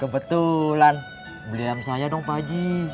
kebetulan beli ayam saya dong pak haji